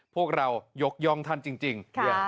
พวกเรายกย่องท่านจริง